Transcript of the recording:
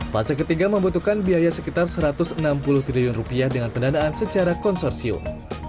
fase ketiga membutuhkan biaya sekitar rp satu ratus enam puluh triliun rupiah dengan pendanaan secara konsorsium